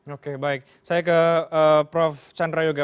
oke baik saya ke prof chandra yoga